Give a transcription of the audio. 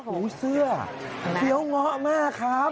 อู้เสื้อเดี๋ยวเหงามากครับ